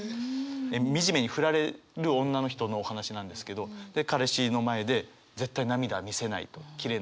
惨めに振られる女の人のお話なんですけど彼氏の前で絶対涙は見せないときれいな私でいたいっていう。